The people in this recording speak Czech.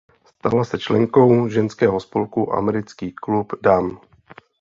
Stala se členkou ženského spolku Americký klub dam.